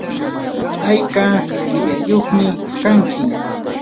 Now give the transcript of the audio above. ¿ayka qillayyuqmi kanki?